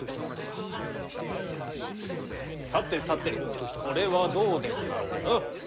さてさてそれはどうでござろうな。